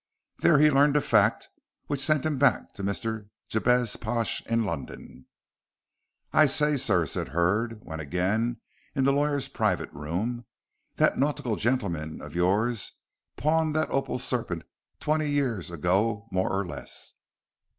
There he learned a fact which sent him back to Mr. Jabez Pash in London. "I says, sir," said Hurd, when again in the lawyer's private room, "that nautical gentleman of yours pawned that opal serpent twenty years ago more or less."